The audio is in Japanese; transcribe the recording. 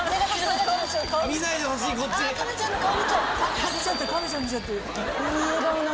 見ないでほしいこっち。